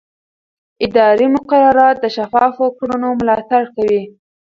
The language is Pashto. اداري مقررات د شفافو کړنو ملاتړ کوي.